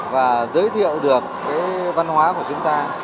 và giới thiệu được văn hóa của chúng ta